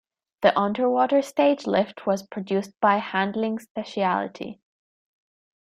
The underwater stage lift was produced by Handling Specialty.